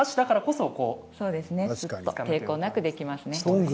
抵抗なくできますね。